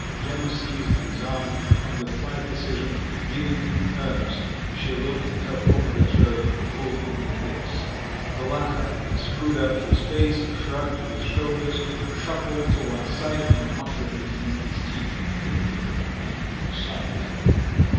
Gemma seized his arm, and with quiet decision, giving him hers, she looked her former betrothed full in the face…. The latter screwed up his face, shrugged his shoulders, shuffled to one side, and muttering between his teeth, "The usual end to the song!"